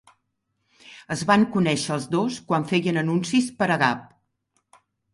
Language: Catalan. Es van conèixer els dos quan feien anuncis per a Gap.